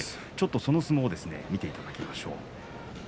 その相撲を見ていただきましょう。